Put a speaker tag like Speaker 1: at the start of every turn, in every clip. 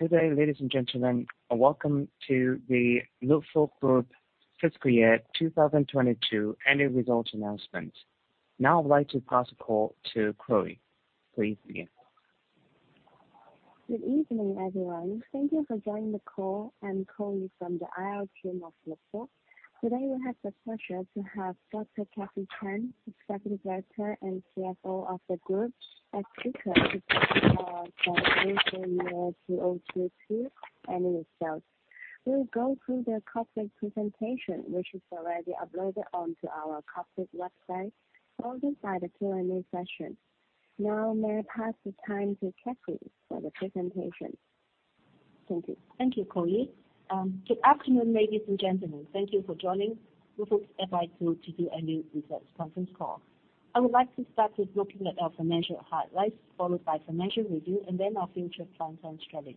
Speaker 1: Good day, ladies and gentlemen. Welcome to the Luk Fook Group Fiscal Year 2022 annual results announcement. Now I'd like to pass the call to Chloe. Please begin.
Speaker 2: Good evening, everyone. Thank you for joining the call. I'm calling from the IR team of Luk Fook. Today, we have the pleasure to have Dr. Kathy Chan, Executive Director and CFO of the group, a speaker to share with you the 2022 annual results. We'll go through the corporate presentation, which is already uploaded onto our corporate website, followed by the Q&A session. Now, may I pass the time to Kathy for the presentation. Thank you.
Speaker 3: Thank you, Chloe. Good afternoon, ladies and gentlemen. Thank you for joining. We look forward to do annual results conference call. I would like to start with looking at our financial highlights, followed by financial review, and then our future plans and strategies.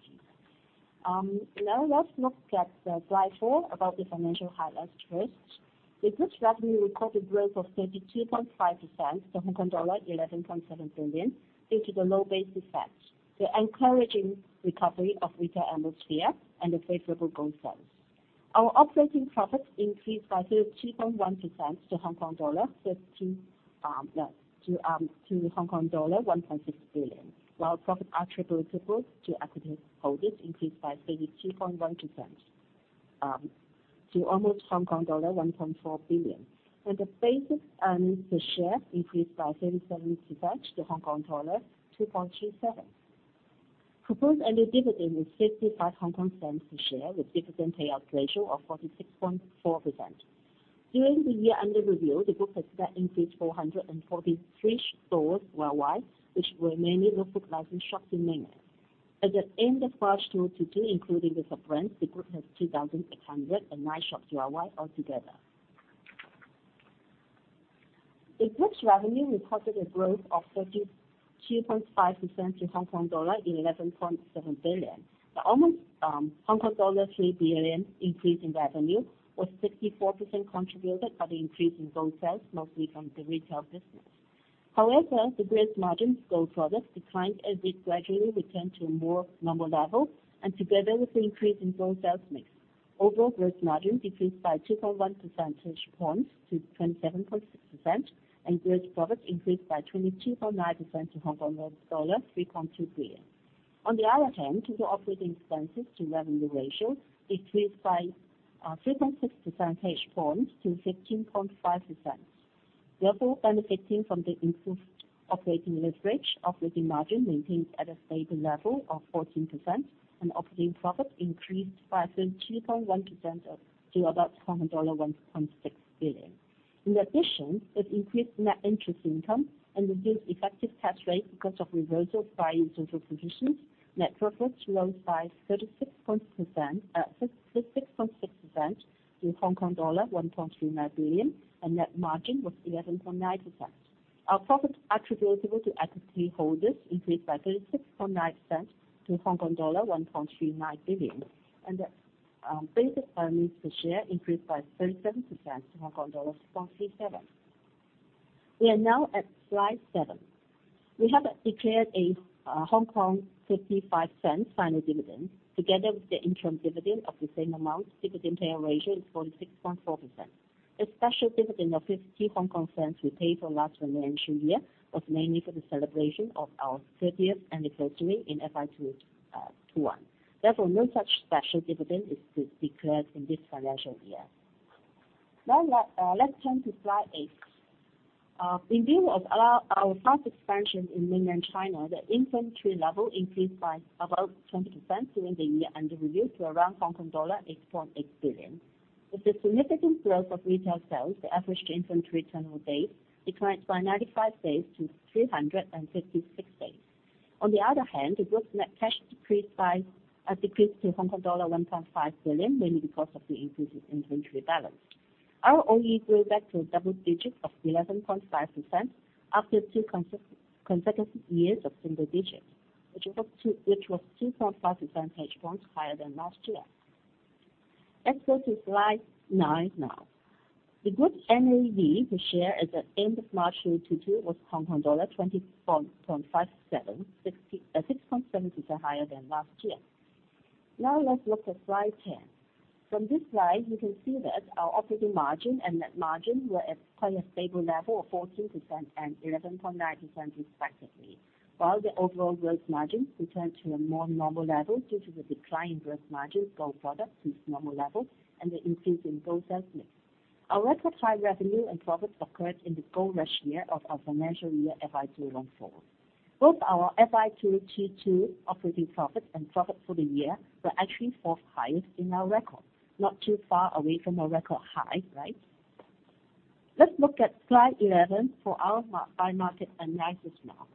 Speaker 3: Now let's look at the slide four about the financial highlights first. The group's revenue recorded growth of 32.5% to Hong Kong dollar 11.7 billion due to the low base effect, the encouraging recovery of retail atmosphere, and the favorable gold sales. Our operating profit increased by 32.1% to Hong Kong dollar 1.6 billion. While profit attributable to equity holders increased by 32.1% to almost Hong Kong dollar 1.4 billion. The basic earnings per share increased by 37% to 2.37. Proposed annual dividend is 55 HKD cents a share with dividend payout ratio of 46.4%. During the year under review, the group has net increased 443 stores worldwide, which were mainly Luk Fook licensed shops in Mainland. At the end of March 2022, including the sub-brands, the group has 2,809 shops worldwide altogether. The group's revenue reported a growth of 32.5% to 11.7 billion Hong Kong dollar. The almost Hong Kong dollar 3 billion increase in revenue was 64% contributed by the increase in gold sales, mostly from the retail business. However, the gross margin gold products declined as it gradually returned to a more normal level and together with the increase in gold sales mix. Overall gross margin decreased by 2.1 percentage points to 27.6%, and gross profit increased by 22.9% to Hong Kong dollar 3.2 billion. On the other hand, the operating expenses to revenue ratio decreased by 3.6 percentage points to 15.5%. Therefore, benefiting from the improved operating leverage, operating margin maintained at a stable level of 14%, and operating profit increased by 32.1% to about 1.6 billion. In addition, it increased net interest income and reduced effective tax rate because of reversal of prior income positions. Net profit rose by 6.6% to Hong Kong dollar 1.39 billion, and net margin was 11.9%. Our profits attributable to equity holders increased by 36.9% to Hong Kong dollar 1.39 billion. Basic earnings per share increased by 37% to Hong Kong dollar 2.37. We are now at slide seven. We have declared 0.55 final dividend. Together with the interim dividend of the same amount, dividend payout ratio is 46.4%. The special dividend of 0.50 Hong Kong we paid for last financial year was mainly for the celebration of our thirtieth anniversary in FY 2021. Therefore, no such special dividend is declared in this financial year. Let's turn to slide 8. In view of our fast expansion in Mainland China, the inventory level increased by about 20% during the year and reached around Hong Kong dollar 8.8 billion. With the significant growth of retail sales, the average inventory turnover days decreased by 95 days to 356 days. On the other hand, the group's net cash decreased to Hong Kong dollar 1.5 billion, mainly because of the increase in inventory balance. Our OE grew back to double digits of 11.5% after two consecutive years of single digits, which was 2.5 percentage points higher than last year. Let's go to slide 9 now. The group's NAV per share at the end of March 2022 was Hong Kong dollar 20.57, 66.7% higher than last year. Now let's look at slide 10. From this slide, you can see that our operating margin and net margin were at quite a stable level of 14% and 11.9% respectively, while the overall gross margins returned to a more normal level due to the decline in gross margin gold products to its normal level and the increase in gold sales mix. Our record high revenue and profits occurred in the gold rush year of our financial year FY 2014. Both our FY 2022 operating profit and profit for the year were actually fourth highest in our record. Not too far away from our record high, right? Let's look at slide 11 for our by-market analysis now.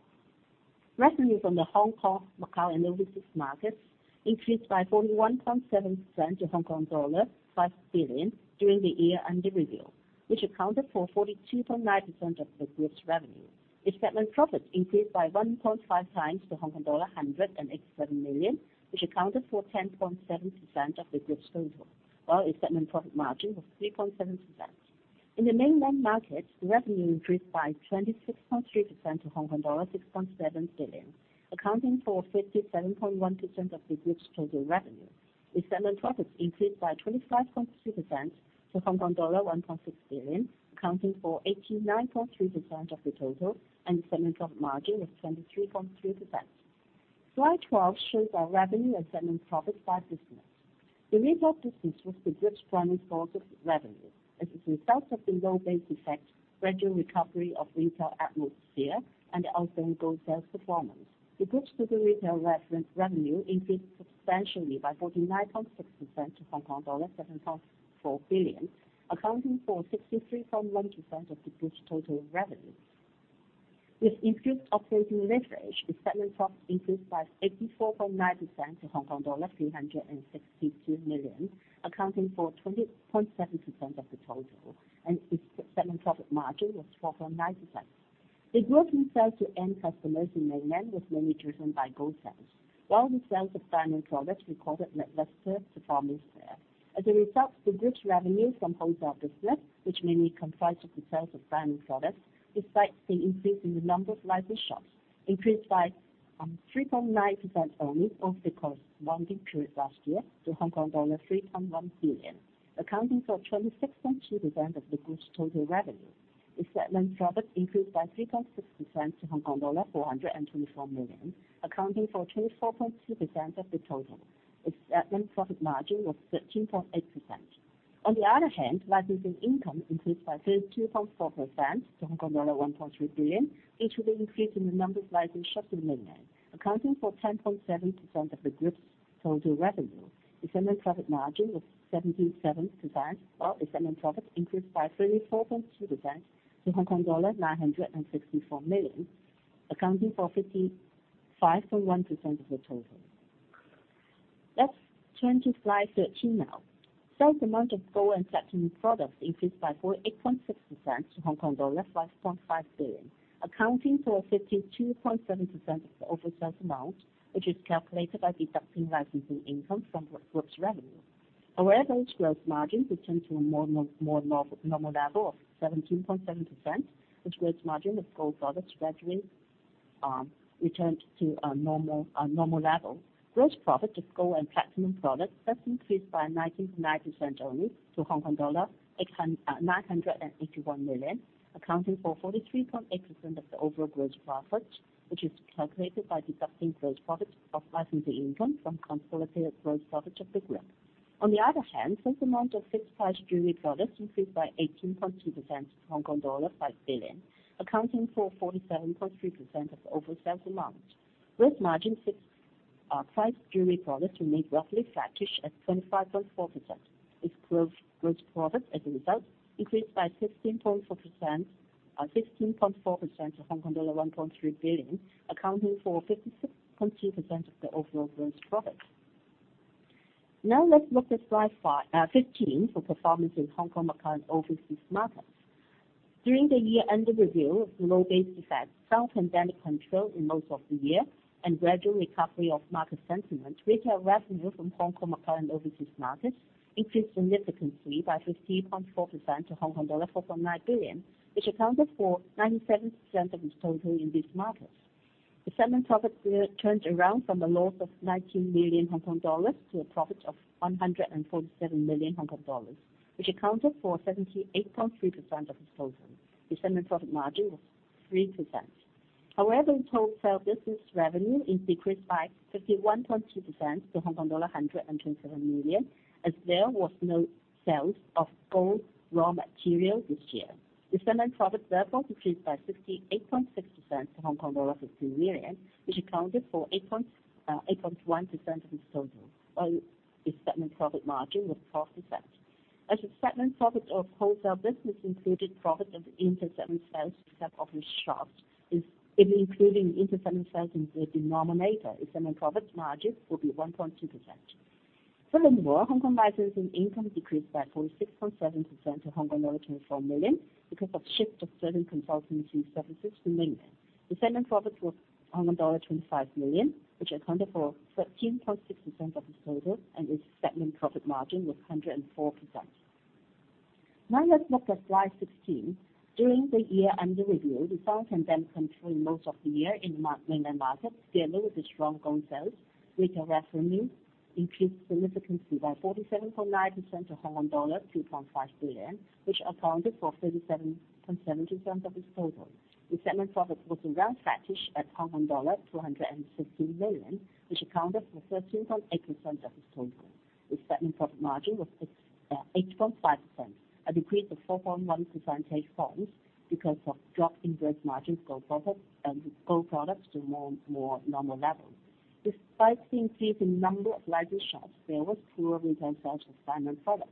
Speaker 3: Revenue from the Hong Kong, Macau, and the overseas markets increased by 41.7% to Hong Kong dollar 5 billion during the year under review, which accounted for 42.9% of the group's revenue. The segment profit increased by 1.5 times to Hong Kong dollar 187 million, which accounted for 10.7% of the group's total. While its segment profit margin was 3.7%. In the mainland market, the revenue increased by 26.3% to Hong Kong dollar 6.7 billion, accounting for 57.1% of the group's total revenue. The segment profits increased by 25.3% to Hong Kong dollar 1.6 billion, accounting for 89.3% of the total, and segment profit margin was 23.3%. Slide 12 shows our revenue and segment profits by business. The retail business was the group's primary source of revenue. As a result of the low base effect, gradual recovery of retail atmosphere, and the outstanding gold sales performance, the group's total retail revenue increased substantially by 49.6% to Hong Kong dollar 7.4 billion, accounting for 63.1% of the group's total revenue. With improved operating leverage, the segment profit increased by 84.9% to Hong Kong dollar 362 million, accounting for 20.7% of the total, and its segment profit margin was 12.9%. The growth in sales to end customers in Mainland was mainly driven by gold sales, while the sales of diamond products recorded lackluster performance there. As a result, the group's revenue from wholesale business, which mainly comprised of the sales of diamond products, despite the increase in the number of licensed shops, increased by 3.9% only over the corresponding period last year to Hong Kong dollar 3.1 billion, accounting for 26.2% of the group's total revenue. The segment profit increased by 3.6% to Hong Kong dollar 424 million, accounting for 24.2% of the total. Its segment profit margin was 13.8%. On the other hand, licensing income increased by 32.4% to Hong Kong dollar 1.3 billion, due to the increase in the number of licensed shops in Mainland, accounting for 10.7% of the group's total revenue. The segment profit margin was 17.7% while the segment profit increased by 34.2% to Hong Kong dollar 964 million, accounting for 55.1% of the total. Let's turn to slide 13 now. Sales amount of gold and platinum products increased by 48.6% to Hong Kong dollar 5.5 billion, accounting for 52.7% of the overall sales amount, which is calculated by deducting licensing income from the group's revenue. However, its gross margin returned to a more normal level of 17.7%. Its gross margin of gold products gradually returned to a normal level. Gross profit of gold and platinum products just increased by 19.9% only to 981 million, accounting for 43.8% of the overall gross profit, which is calculated by deducting gross profit of licensing income from consolidated gross profit of the group. On the other hand, sales amount of fixed price jewelry products increased by 18.2% to Hong Kong dollar 5 billion, accounting for 47.3% of overall sales amount. Gross margin fixed price jewelry products remained roughly flattish at 25.4%. Its gross profit as a result increased by 15.4% to Hong Kong dollar 1.3 billion, accounting for 56.2% of the overall gross profit. Now let's look at slide fifteen for performance in Hong Kong, Macau, and overseas markets. During the year under review, with low base effect, strong pandemic control in most of the year, and gradual recovery of market sentiment, retail revenue from Hong Kong, Macau, and overseas markets increased significantly by 50.4% to 4.9 billion Hong Kong dollar, which accounted for 97% of its total in these markets. The segment profit turned around from a loss of 19 million Hong Kong dollars to a profit of 147 million Hong Kong dollars, which accounted for 78.3% of its total. The segment profit margin was 3%. However, wholesale business revenue decreased by 51.2% to Hong Kong dollar 127 million, as there was no sales of gold raw material this year. The segment profit therefore decreased by 58.6% to 15 million Hong Kong dollar, which accounted for 8.1% of its total, while the segment profit margin was 4%. As the segment profit of wholesale business included profit of the inter-segment sales to third-party shops, if including inter-segment sales in the denominator, its segment profit margin would be 1.2%. Furthermore, Hong Kong licensing income decreased by 46.7% to Hong Kong dollar 24 million because of shift of certain consultancy services to Mainland. The segment profit was Hong Kong dollar 25 million, which accounted for 13.6% of its total, and its segment profit margin was 104%. Now, let's look at slide 16. During the year under review, with strong pandemic control in most of the year in Mainland markets together with the strong gold sales, retail revenue increased significantly by 47.9% to Hong Kong dollar 2.5 billion, which accounted for 37.7% of its total. The segment profit was around flattish at Hong Kong dollar 216 million, which accounted for 13.8% of its total. The segment profit margin was 8.5%, a decrease of 4.1 percentage points because of drop in gross margins gold products and gold products to more normal levels. Despite the increase in number of licensed shops, there was poor retail sales of diamond products.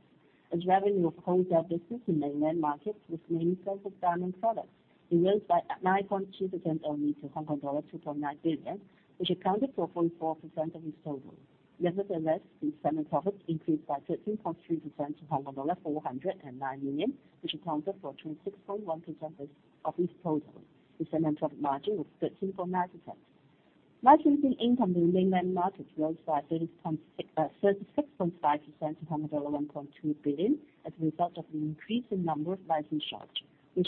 Speaker 3: As revenue of wholesale business in Mainland markets was mainly sales of diamond products. It rose by 9.2% only to Hong Kong dollar 2.9 billion, which accounted for 0.4% of its total. Nevertheless, the segment profit increased by 13.3% to 409 million, which accounted for 26.1% of its total. The segment profit margin was 13.9%. Licensing income in the Mainland market rose by 36.5% to 1.2 billion as a result of the increase in number of licensed shops, which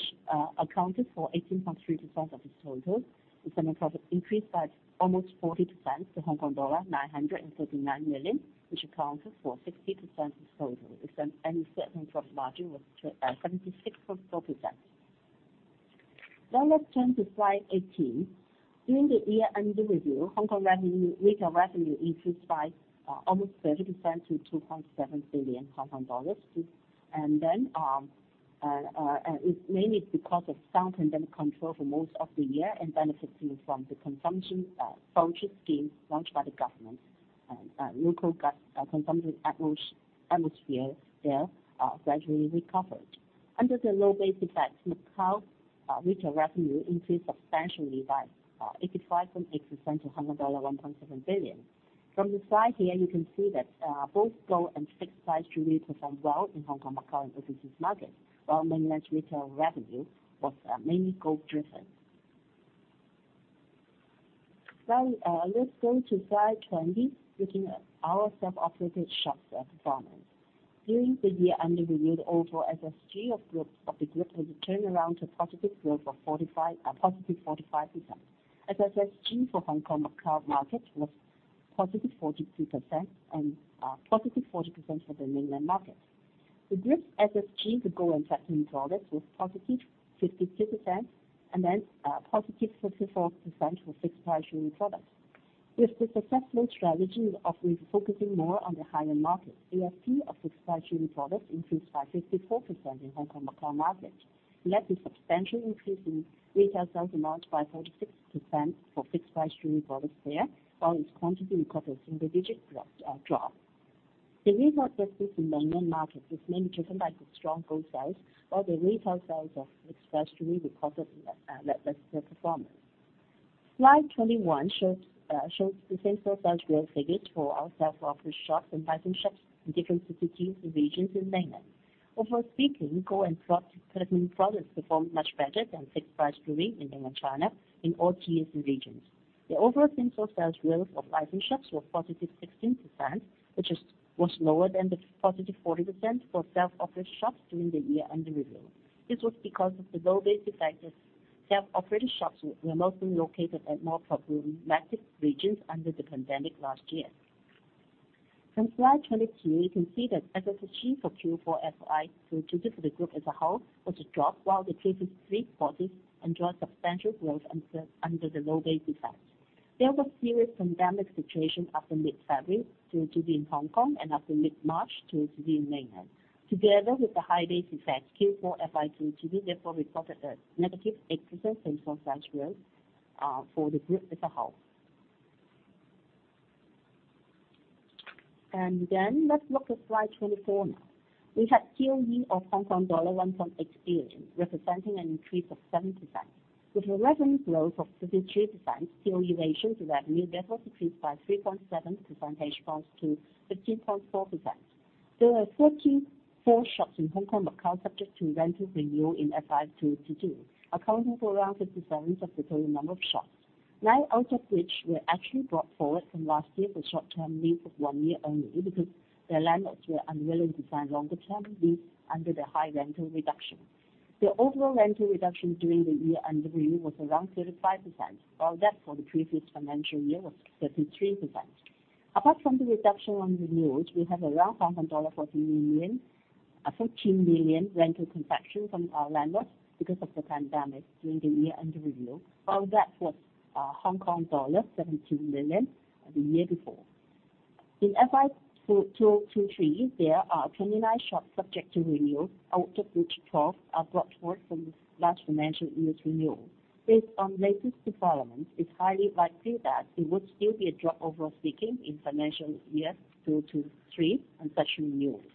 Speaker 3: accounted for 18.3% of this total. The segment profit increased by almost 40% to Hong Kong dollar 939 million, which accounted for 60% of total. Its annual profit margin was 76.4%. Now let's turn to slide 18. During the year under review, Hong Kong retail revenue increased by almost 30% to 2.7 billion Hong Kong dollars. It is mainly because of sound pandemic control for most of the year and benefiting from the consumption voucher scheme launched by the government. Local consumption atmosphere there gradually recovered. Under the low base effect, Macao retail revenue increased substantially by 85.8% to HKD 1.7 billion. From the slide here, you can see that both gold and fixed price jewelry performed well in Hong Kong, Macao, and overseas markets, while Mainland retail revenue was mainly gold driven. Now, let's go to slide 20, looking at our self-operated shops performance. During the year under review, the overall SSG of the group has turned around to positive growth of 45%. SSG for Hong Kong, Macao market was positive 42% and positive 40% for the Mainland market. The group's SSG for gold and platinum products was positive 52%, and then positive 44% for fixed price jewelry products. With the successful strategy of re-focusing more on the higher market, ASP of fixed price jewelry products increased by 54% in Hong Kong, Macao market. We had a substantial increase in retail sales amount by 46% for fixed price jewelry products there, while its quantity recovered a single-digit drop. The retail business in Mainland market was mainly driven by the strong gold sales, while the retail sales of fixed price jewelry recovered, less better performance. Slide 21 shows the same-store sales growth figures for our self-operated shops and licensed shops in different cities and regions in Mainland. Overall speaking, gold and platinum products performed much better than fixed price jewelry in Mainland China in all tiers and regions. The overall same-store sales growth of licensed shops were +16%, which was lower than the +40% for self-operated shops during the year under review. This was because of the low base effect as self-operated shops were mostly located at more problematic regions under the pandemic last year. From slide 22, you can see that SSG for Q4 FY 2022 for the group as a whole was a drop while the previous three quarters enjoyed substantial growth under the low base effects. There was a serious pandemic situation after mid-February 2022 in Hong Kong and after mid-March 2022 in Mainland. Together with the high base effect, Q4 FY 2022 therefore reported a -8% same-store sales growth for the group as a whole. Let's look at slide 24 now. We had COE of Hong Kong dollar 1.8 billion, representing an increase of 7%. With a revenue growth of 52%, COE ratio to revenue therefore increased by 3.7 percentage points to 15.4%. There were 44 shops in Hong Kong, Macao subject to rental renewal in FY 2022, accounting for around 57% of the total number of shops. nine out of which were actually brought forward from last year with short-term lease of one year only because their landlords were unwilling to sign longer term lease under the high rental reduction. The overall rental reduction during the year under review was around 35%, while that for the previous financial year was 33%. Apart from the reduction on renewals, we have around 14 million rental concession from our landlords because of the pandemic during the year under review. While that was Hong Kong dollar 72 million the year before. In FY 2022/23, there are 29 shops subject to renewal, out of which 12 are brought forward from last financial year's renewal. Based on latest developments, it's highly likely that it would still be a drop overall speaking in financial year 2022/23 on such renewals.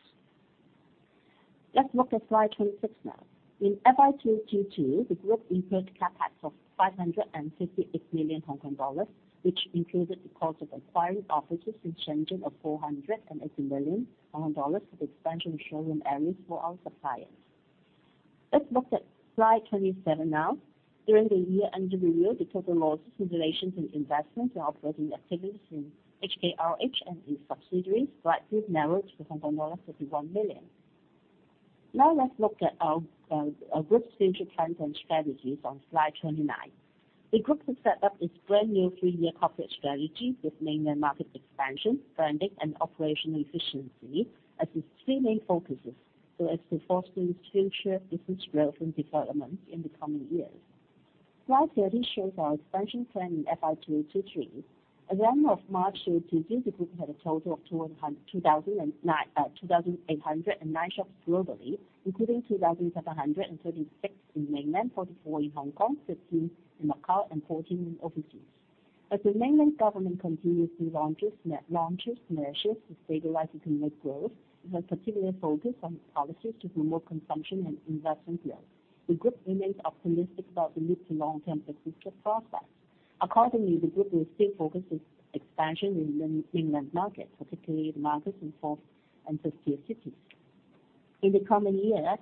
Speaker 3: Let's look at slide 26 now. In FY 2022, the group incurred CapEx of 558 million Hong Kong dollars, which included the cost of acquiring offices in Shenzhen of 480 million Hong Kong dollars for the expansion of showroom areas for our suppliers. Let's look at slide 27 now. During the year under review, the total losses in relation to investments and operating activities in HKRH and its subsidiaries slightly narrowed to HKD 51 million. Now let's look at our group's future plans and strategies on slide 29. The group has set up its brand new three-year corporate strategy with Mainland market expansion, branding, and operational efficiency as its three main focuses, so as to foster its future business growth and development in the coming years. Slide 30 shows our expansion plan in FY 2023. As at end of March 2022, the group had a total of 2,809 shops globally, including 2,736 in Mainland, 44 in Hong Kong, 15 in Macao and 14 in overseas. As the Mainland government continuously launches measures to stabilize economic growth with a particular focus on policies to promote consumption and investment growth, the group remains optimistic about the mid to long-term execution process. Accordingly, the group will still focus its expansion in Mainland markets, particularly the markets in fourth- and fifth-tier cities. In the coming year,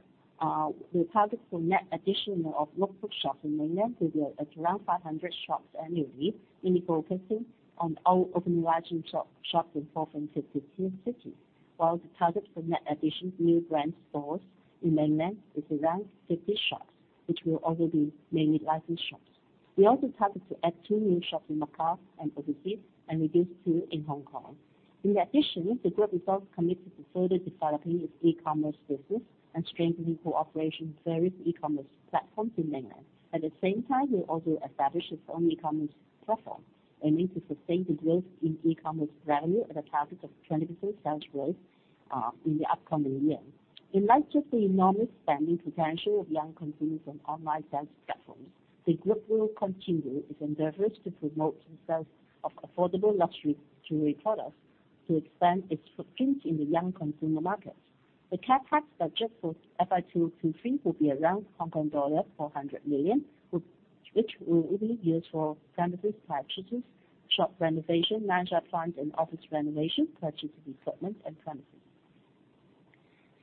Speaker 3: we target net addition of Luk fook shops in Mainland to be at around 500 shops annually, mainly focusing on opening licensed shops in fourth- and fifth-tier cities. While the target for net addition of new brand stores in Mainland is around 50 shops, which will also be mainly licensed shops. We also target to add two new shops in Macau and overseas, and reduce two in Hong Kong. In addition, the group is also committed to further developing its e-commerce business and strengthening cooperation with various e-commerce platforms in Mainland. At the same time, we also establish its own e-commerce platform, aiming to sustain the growth in e-commerce revenue at a target of 20% sales growth in the upcoming year. In light of the enormous spending potential of young consumers on online sales platforms, the group will continue its endeavors to promote the sales of affordable luxury jewelry products to expand its footprints in the young consumer market. The CapEx budget for FY2023 will be around 400 million, which will mainly be used for premises purchases, shop renovation, management funds, and office renovation, purchase of equipment and premises.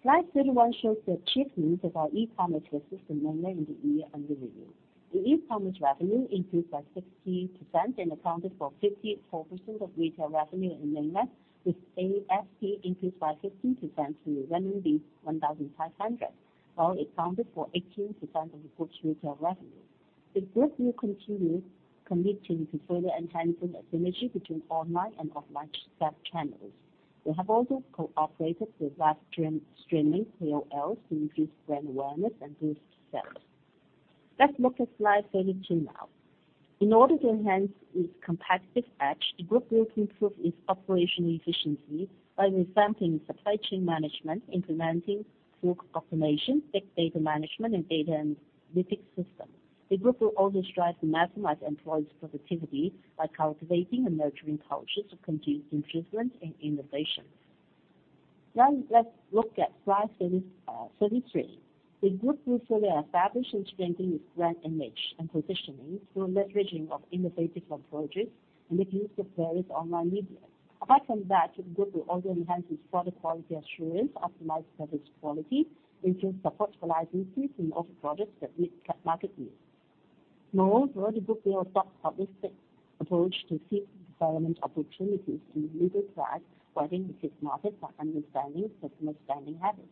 Speaker 3: Slide 31 shows the achievements of our e-commerce business in Mainland in the year under review. The e-commerce revenue increased by 60% and accounted for 54% of retail revenue in Mainland, with ASP increased by 15% to renminbi 1,500, while it accounted for 18% of the group's retail revenue. The group will continue committing to further enhancing the synergy between online and offline channels. We have also cooperated with live stream, streaming KOLs to increase brand awareness and boost sales. Let's look at slide 32 now. In order to enhance its competitive edge, the group will improve its operational efficiency by revamping supply chain management, implementing stock automation, big data management, and data analytics system. The group will also strive to maximize employees' productivity by cultivating and nurturing cultures of continuous improvement and innovation. Now let's look at slide 33. The group will further establish and strengthen its brand image and positioning through leveraging of innovative approaches and making use of various online media. Apart from that, the group will also enhance its product quality assurance, optimize service quality, enhance support for licensees, and offer products that meet market needs. Moreover, the group will adopt holistic approach to seek development opportunities through retail flags, working with its markets by understanding customer spending habits.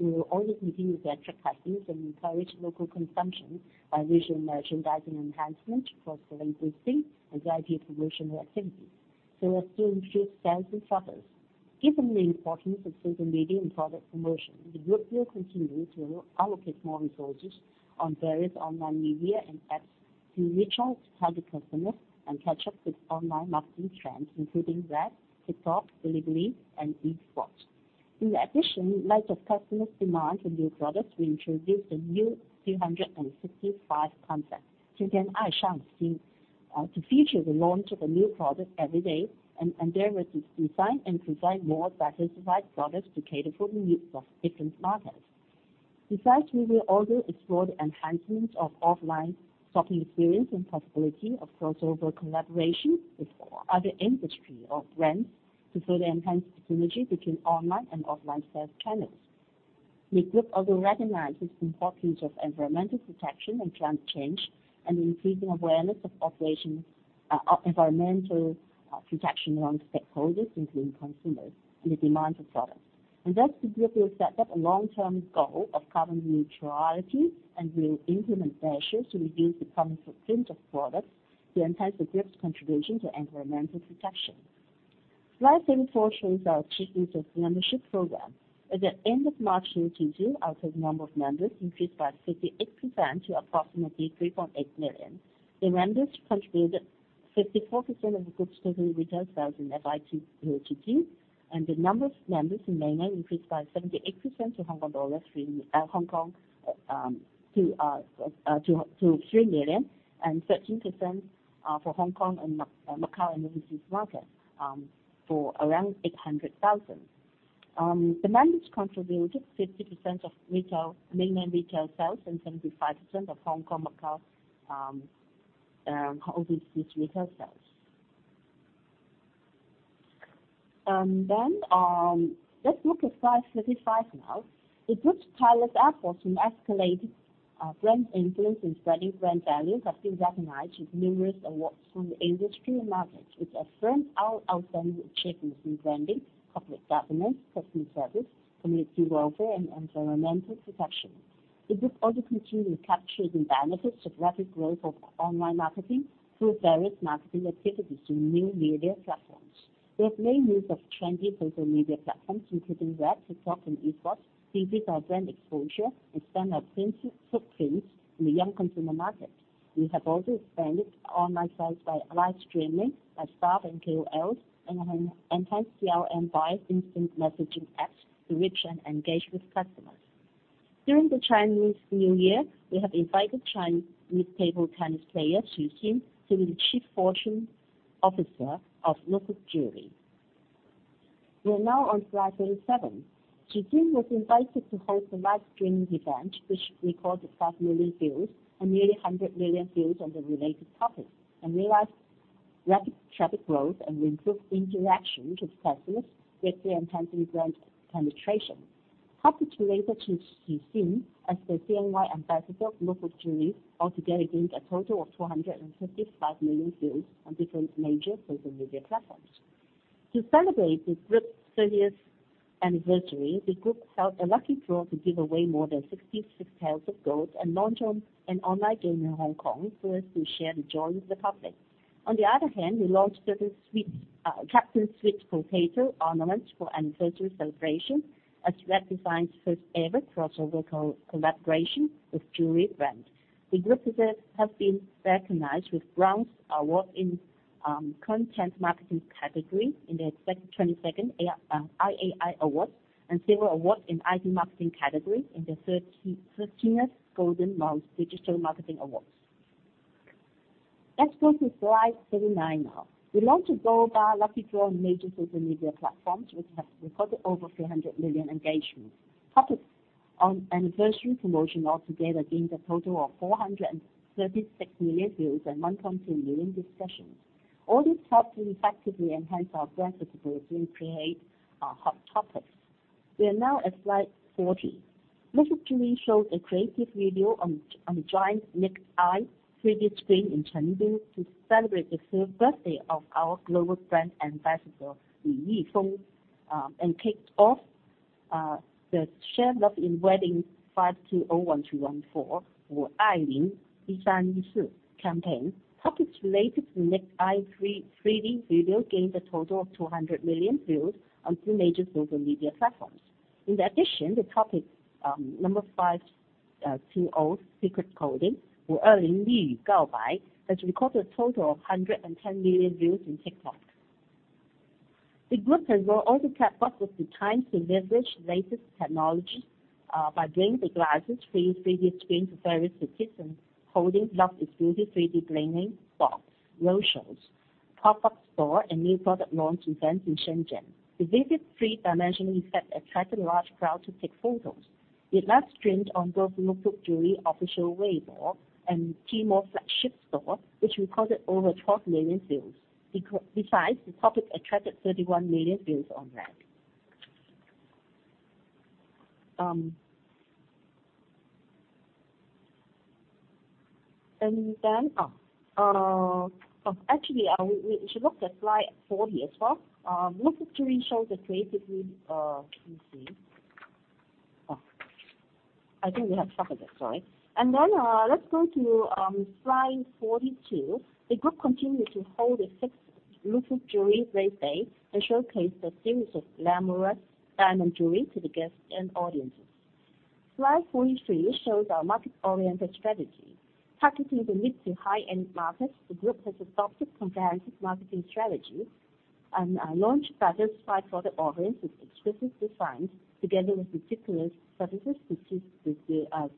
Speaker 3: We will also continue with our truck cuttings and encourage local consumption by visual merchandising enhancement, cross-selling boosting, and VIP promotional activities, so as to improve sales and profits. Given the importance of social media in product promotion, the group will continue to allocate more resources on various online media and apps to reach out to target customers and catch up with online marketing trends, including RED, TikTok, Bilibili, and esports. In addition, in light of customers' demand for new products, we introduced a new 365 concept to feature the launch of a new product every day and thereby to design and provide more satisfied products to cater for the needs of different markets. Besides, we will also explore the enhancement of offline shopping experience and possibility of crossover collaboration with other industry or brands to further enhance the synergy between online and offline sales channels. The group also recognizes the importance of environmental protection and climate change and the increasing awareness of environmental protection among stakeholders, including consumers in the demand for products. Thus the group will set up a long-term goal of carbon neutrality and will implement measures to reduce the carbon footprint of products to enhance the group's contribution to environmental protection. Slide 34 shows our achievements of membership program. At the end of March 2020, our total number of members increased by 58% to approximately 3.8 million. The members contributed 54% of the group's total retail sales in FY 2022. The number of members in Mainland increased by 78% to 3 million and 13% for Hong Kong and Macau and overseas market for around 800,000. The members contributed 50% of Mainland retail sales and 75% of Hong Kong, Macau, overseas retail sales. Let's look at slide 35 now. The group's tireless efforts in escalating brand influence and spreading brand values have been recognized with numerous awards from the industry and market, which affirm our outstanding achievements in branding, public governance, customer service, community welfare, and environmental protection. The group also continues to capture the benefits of rapid growth of online marketing through various marketing activities in new media platforms. We have made use of trendy social media platforms, including RED, TikTok, and esports to increase our brand exposure, expand our footprints in the young consumer market. We have also expanded our online sales by live streaming by staff and KOLs and enhance CRM via instant messaging apps to reach and engage with customers. During the Chinese New Year, we have invited Chinese table tennis player Xu Xin to be the Chief Fortune Officer of Lukfook Jewellery. We are now on slide 37. Xu Xin was invited to host a live streaming event which recorded 5 million views and nearly 100 million views on the related topics, and realized rapid traffic growth and improved interaction with customers, which we're enhancing brand penetration. Topics related to Xu Xin as the CNY ambassador of Lukfook Jewellery altogether gained a total of 455 million views on different major social media platforms. To celebrate the group's 30th anniversary, the group held a lucky draw to give away more than 66 taels of gold and launched an online game in Hong Kong for us to share the joy with the public. On the other hand, we launched Captain Sweet Potato ornament for anniversary celebration as we redesigned first-ever crossover co-collaboration with jewelry brand. The group received has been recognized with bronze award in content marketing category in the 22nd IAI Awards, and silver award in IP marketing category in the 13th Golden Mouse Digital Marketing Awards. Let's go to slide 39 now. We launched a gold bar lucky draw on major social media platforms, which have recorded over 300 million engagements. Topics on anniversary promotion altogether gained a total of 436 million views and 1.2 million discussions. All these helped to effectively enhance our brand visibility and create hot topics. We are now at slide 40. Lukfook Jewellery showed a creative video on giant naked eye 3D screen in Chengdu to celebrate the 3rd birthday of our global brand ambassador, Li Yifeng. Kicked off the Share Love in Wedding 520 1314 or Love 1314 campaign. Topics related to naked eye 3D video gained a total of 200 million views on three major social media platforms. In addition, the topic, 520 Love Confession, has recorded a total of 110 million views on TikTok. The group has also kept up with the times to leverage the latest technology by bringing the naked eye 3D screen to various cities and holding love exclusive 3D screening, roadshows, pop-up store, and new product launch events in Shenzhen. The vivid three-dimensional effect attracted a large crowd to take photos. It live-streamed on both Lukfook Jewellery official Weibo and Tmall flagship store, which recorded over 12 million views. Besides, the topic attracted 31 million views on RED. Actually, we should look at slide 40 as well. Let me see. I think we have stopped at that, sorry. Let's go to slide 42. The group continued to hold the sixth Lukfook Jewellery Red Day to showcase the series of glamorous diamond jewelry to the guests and audiences. Slide 43 shows our market-oriented strategy. Targeting the mid to high-end markets, the group has adopted comprehensive marketing strategy and launched various product offerings with exclusive designs together with meticulous services to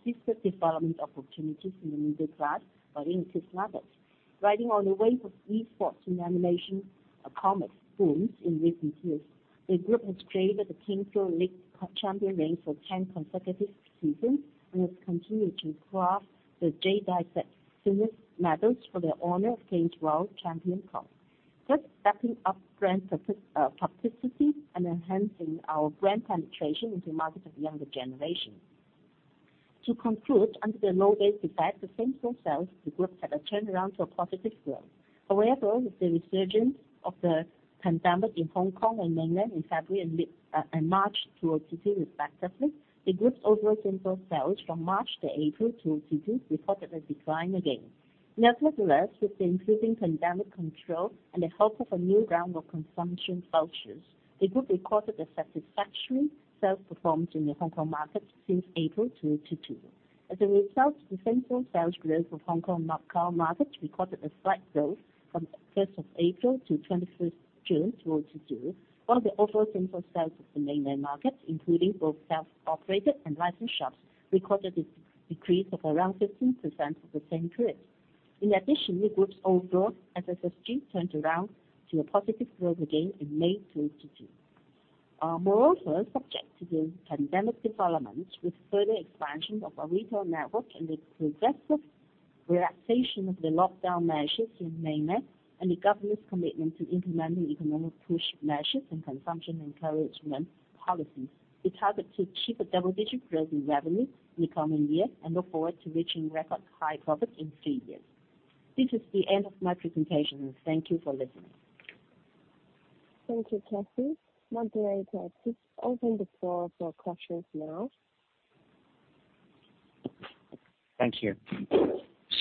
Speaker 3: seek the development opportunities in the middle class but increased levels. Riding on the wave of esports and animation, comic booms in recent years, the group has created the King Pro League champion ring for 10 consecutive seasons and has continued to craft the jadeite medals for the Honor of Kings World Champion Cup, thus stepping up brand publicity and enhancing our brand penetration into market of younger generation. To conclude, under the low base effect of same-store sales, the group had a turnaround to a positive growth. However, with the resurgence of the pandemic in Hong Kong and Mainland in February and mid-March 2022 respectively, the group's overall same-store sales from March to April 2022 reported a decline again. Nevertheless, with the improving pandemic control and the help of a new round of consumption vouchers, the group recorded a satisfactory sales performance in the Hong Kong market since April 2022. As a result, the same-store sales growth of Hong Kong, Macao market recorded a slight growth from 1 April to 21 June 2022, while the overall same-store sales of the Mainland market, including both self-operated and licensed shops, recorded a decrease of around 15% for the same period. In addition, the group's overall FSSG turned around to a positive growth again in May 2022. Moreover, subject to the pandemic development with further expansion of our retail network and the progressive relaxation of the lockdown measures in Mainland and the government's commitment to implementing economic push measures and consumption encouragement policies, we target to achieve a double-digit growth in revenue in the coming year and look forward to reaching record high profit in three years. This is the end of my presentation. Thank you for listening.
Speaker 2: Thank you, Kathy. Moderator, please open the floor for questions now.
Speaker 1: Thank you.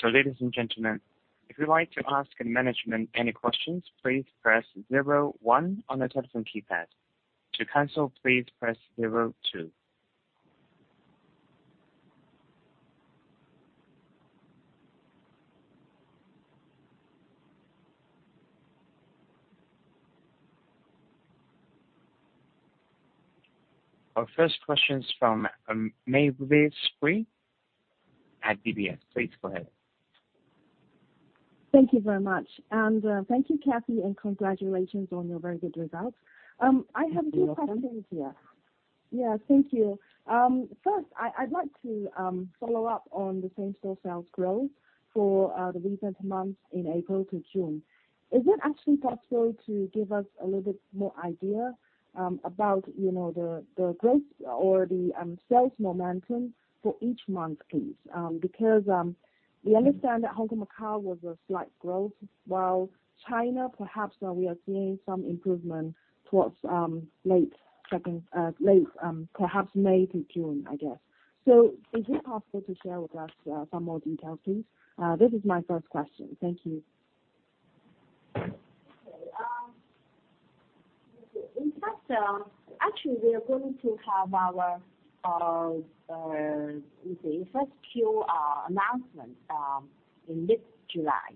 Speaker 1: Ladies and gentlemen, if you'd like to ask the management any questions, please press zero one on the telephone keypad. To cancel, please press zero two. Our first question is from Maeve Spree at BBS. Please go ahead.
Speaker 4: Thank you very much. Thank you, Kathy, and congratulations on your very good results. I have two questions here. Yeah. Thank you. First I'd like to follow up on the same-store sales growth for the recent months in April to June. Is it actually possible to give us a little bit more idea about, you know, the growth or the sales momentum for each month, please? Because we understand that Hong Kong, Macao was a slight growth, while China, perhaps, we are seeing some improvement towards late second, late perhaps May to June, I guess. Is it possible to share with us some more details, please? This is my first question. Thank you.
Speaker 3: Okay. In fact, actually, we are going to have our first Q announcement in mid-July.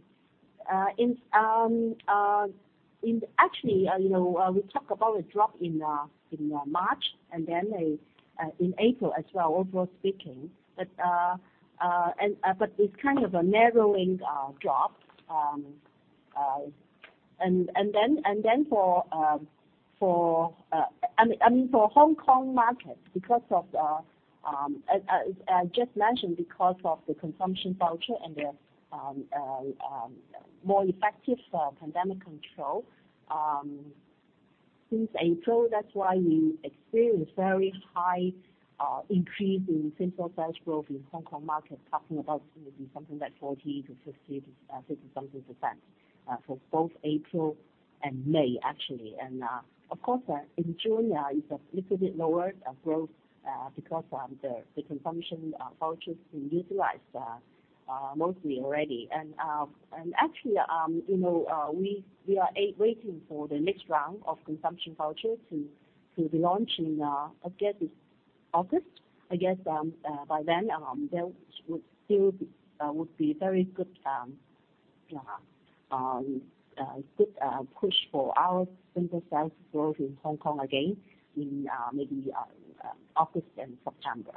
Speaker 3: Actually, you know, we talk about a drop in March, and then in April as well, overall speaking. It's kind of a narrowing drop. Then, I mean, for Hong Kong market, because, as I just mentioned, because of the consumption voucher and the more effective pandemic control since April, that's why we experienced very high increase in same-store sales growth in Hong Kong market, talking about maybe something like 40%-50-something% for both April and May, actually. Of course, in June, it's a little bit lower growth because the consumption vouchers been utilized mostly already. Actually, you know, we are waiting for the next round of consumption voucher to be launched in, I guess it's August. I guess, by then, there would still be very good push for our same-store sales growth in Hong Kong again in maybe August and September.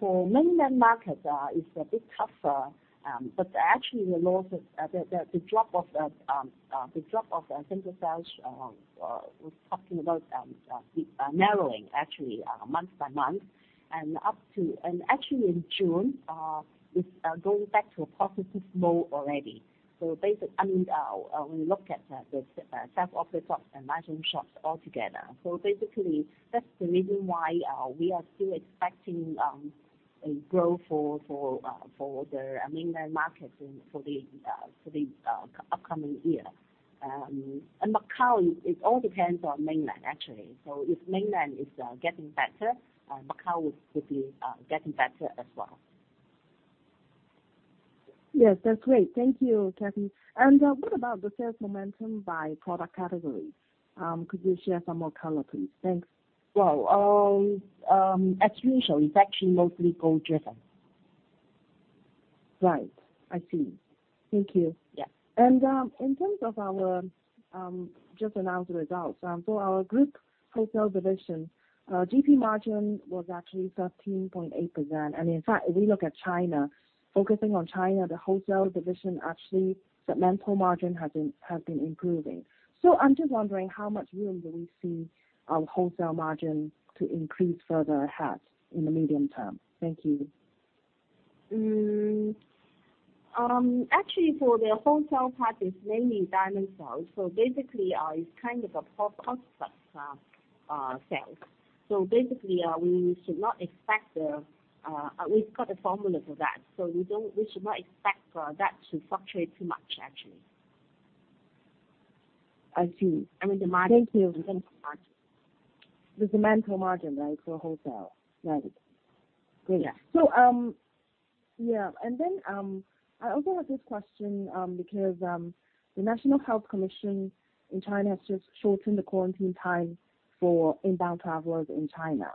Speaker 3: For mainland market, it's a bit tougher. Actually the losses, the drop of same-store sales, we're talking about narrowing actually, month by month and up to. Actually in June, it's going back to a positive mode already. I mean, when you look at the self-operated shops and managing shops all together. Basically that's the reason why we are still expecting a growth for the mainland market in the upcoming year. Macau, it all depends on mainland, actually. If mainland is getting better, Macau would be getting better as well.
Speaker 4: Yes. That's great. Thank you, Kathy. What about the sales momentum by product category? Could you share some more color, please? Thanks.
Speaker 3: Well, as usual, it's actually mostly gold driven.
Speaker 4: Right. I see. Thank you.
Speaker 3: Yeah.
Speaker 4: In terms of our just announced results, our group wholesale division GP margin was actually 13.8%. In fact, if we look at China, focusing on China, the wholesale division, actually segmental margin has been improving. I'm just wondering how much room do we see, wholesale margin to increase further perhaps in the medium term? Thank you.
Speaker 3: Actually, for the wholesale part it's mainly diamond sales. Basically, it's kind of a cost-plus sales. Basically, we've got a formula for that, so we should not expect that to fluctuate too much, actually.
Speaker 4: I see.
Speaker 3: I mean, the margin.
Speaker 4: Thank you.
Speaker 3: The gross margin.
Speaker 4: The segmental margin, right, for wholesale. Right. Great.
Speaker 3: Yeah.
Speaker 4: I also have this question because the National Health Commission in China has just shortened the quarantine time for inbound travelers in China.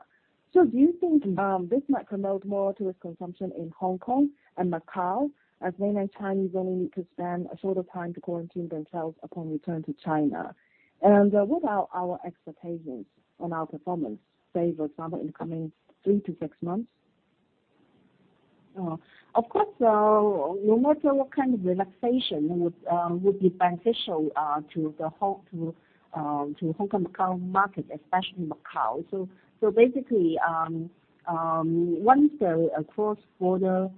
Speaker 4: Do you think this might promote more tourist consumption in Hong Kong and Macao as mainland Chinese only need to spend a shorter time to quarantine themselves upon return to China? What are our expectations on our performance, say, for example, in coming 3-6 months?
Speaker 3: Of course, no matter what kind of relaxation would be beneficial to the Hong Kong, Macao market, especially Macao. Basically, once the cross-border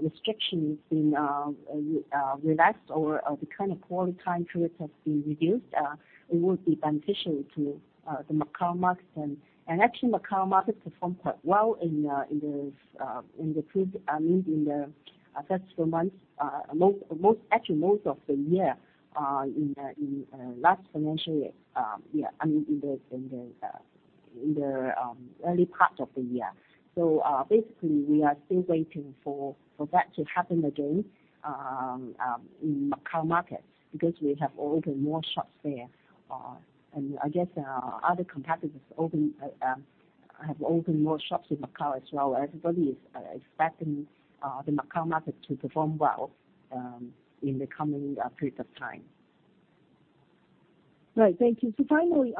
Speaker 3: restriction has been relaxed or the kind of quarantine period has been reduced, it would be beneficial to the Macao market. Actually, Macao market performed quite well in the first few months, most of the year, in the last financial year. I mean, in the early part of the year. Basically, we are still waiting for that to happen again in Macao market because we have opened more shops there. I guess other competitors have opened more shops in Macau as well. Everybody is expecting the Macau market to perform well in the coming period of time.
Speaker 4: Right. Thank you. Finally,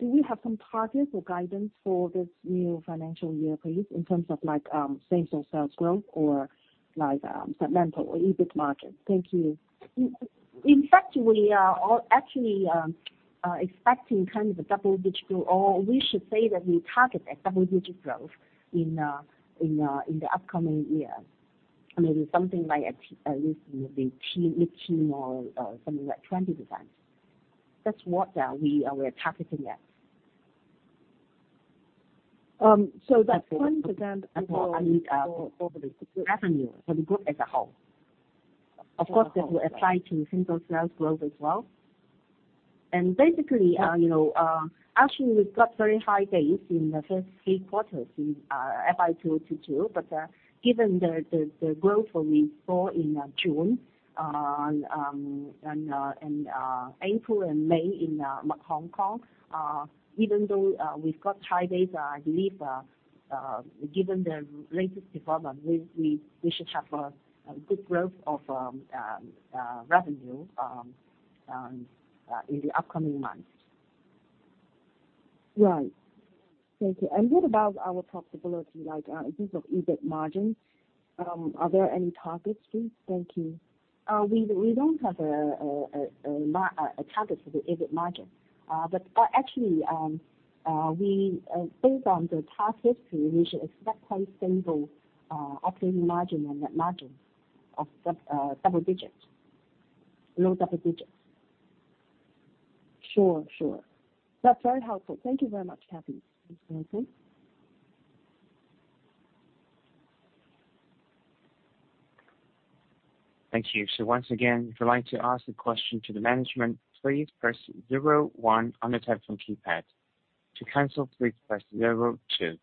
Speaker 4: do we have some targets or guidance for this new financial year, please, in terms of like, same-store sales growth or like, segmental or EBIT margin? Thank you.
Speaker 3: In fact, we are all actually expecting kind of a double-digit growth, or we should say that we target a double-digit growth in the upcoming year. Maybe something like at least mid-teens% or something like 20%. That's what we're targeting at.
Speaker 4: That's 20% for the group.
Speaker 3: I mean, revenue for the group as a whole.
Speaker 4: Of course that will apply to same-store sales growth as well.
Speaker 3: Basically, you know, actually we've got very high base in the first three quarters in FY 2022, but given the growth we saw in June and April and May in Hong Kong, even though we've got high base, I believe given the latest development, we should have a good growth of revenue in the upcoming months.
Speaker 4: Right. Thank you. What about our profitability, like, in terms of EBIT margin? Are there any targets, please? Thank you.
Speaker 3: We don't have a target for the EBIT margin. Actually, based on the past history, we should expect quite stable operating margin and net margin of sub-double digits. Low double digits.
Speaker 4: Sure. Sure. That's very helpful. Thank you very much, Kathy.
Speaker 3: Thanks, Maeve.
Speaker 1: Thank you. Once again, if you'd like to ask a question to the management, please press zero one on the telephone keypad. To cancel, please press zero two.